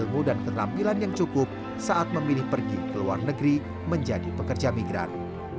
ilmu dan keterampilan yang cukup saat memilih pergi ke luar negeri menjadi pekerja migran